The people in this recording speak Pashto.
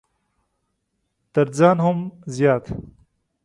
تر ځان هم زيات!